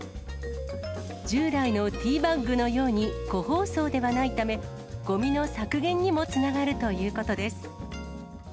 従来のティーバッグのように、個包装ではないため、ごみの削減にもつながるということです。